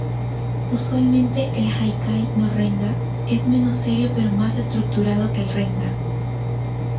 Usualmente el Haikai-no-Renga es menos serio pero más estructurado que el Renga.